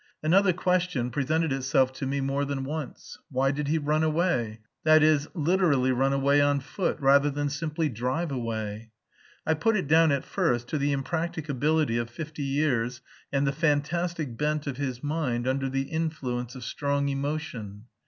Another question presented itself to me more than once. Why did he run away, that is, literally run away on foot, rather than simply drive away? I put it down at first to the impracticability of fifty years and the fantastic bent of his mind under the influence of strong emotion.